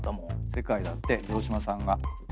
世界だって城島さんが。